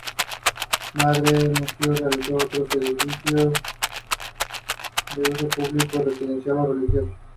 Bordin sabiendo toda la verdad, llega al lujoso edificio principal de Bordin.